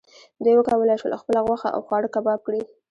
دوی وکولی شول خپله غوښه او خواړه کباب کړي.